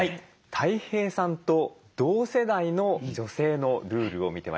たい平さんと同世代の女性のルールを見てまいります。